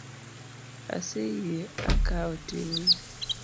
Aseyie akawo ting’ni